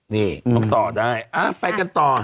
นี่น้องต่อได้ไปกันต่อ